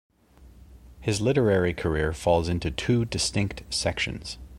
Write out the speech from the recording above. His literary career falls into two distinct sections.